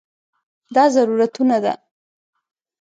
دا ضرورتونو ده.